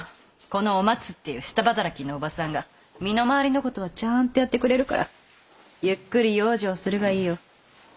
このお松っていう下働きのおばさんが身の回りの事はちゃんとやってくれるからゆっくり養生するがいいよ。